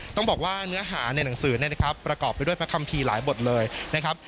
ต้องบอกว่าเนื้อหาในหนังสือนะครับประกอบไปด้วยคำทีหลายบทเลยนะครับ